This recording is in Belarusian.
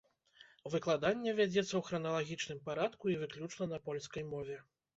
Выкладанне вядзецца ў храналагічным парадку і выключна на польскай мове.